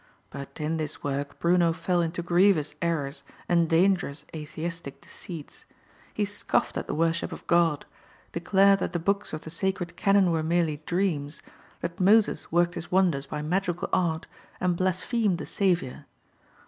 But in this work Bruno fell into grievous errors and dangerous atheistic deceits. He scoffed at the worship of God, declared that the books of the sacred canon were merely dreams, that Moses worked his wonders by magical art, and blasphemed the Saviour.